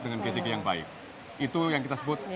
dengan gesiki yang baik itu yang kita sebut